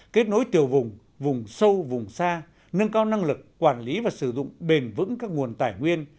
kết nối tiểu vùng vùng sâu vùng xa nâng cao năng lực quản lý và sử dụng bền vững các nguồn tài nguyên